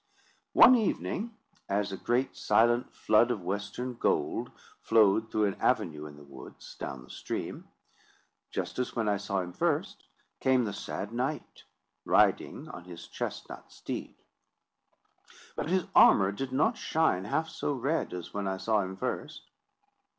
One evening, as a great silent flood of western gold flowed through an avenue in the woods, down the stream, just as when I saw him first, came the sad knight, riding on his chestnut steed. But his armour did not shine half so red as when I saw him first.